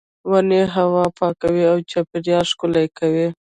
ونې هوا پاکوي او چاپیریال ښکلی کوي.